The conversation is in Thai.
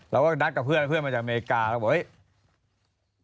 เราก็นัดกับเพื่อนมาจากอเมริกาเราบอกว่า